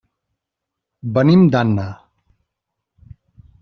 Venim d'Anna.